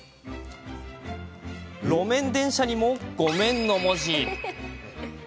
路面電車にも、ごめんの文字。